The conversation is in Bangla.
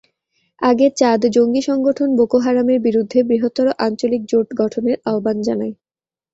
আগে চাদ জঙ্গি সংগঠন বোকো হারামের বিরুদ্ধে বৃহত্তর আঞ্চলিক জোট গঠনের আহ্বান জানায়।